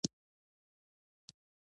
عدالت کې بقا ده